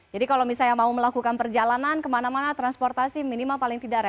jadi kalau misalnya mau melakukan perjalanan kemana mana transportasi minimal paling tidak rapid